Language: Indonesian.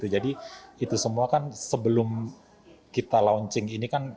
jadi itu semua kan sebelum kita launching ini kan